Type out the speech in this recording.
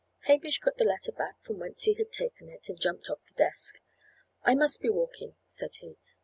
Hamish put the letter back from whence he had taken it, and jumped off the desk. "I must be walking," said he.